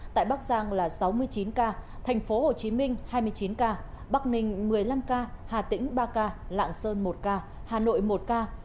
tại bắc giang là sáu mươi chín ca thành phố hồ chí minh hai mươi chín ca bắc ninh một mươi năm ca hà tĩnh ba ca lạng sơn một ca hà nội một ca